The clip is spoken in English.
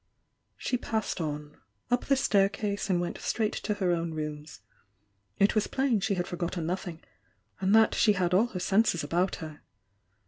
She passed on, up the staircase, and went straight to her own rooms. It was plain she had forgotten nothing, and that she had all her senses about her.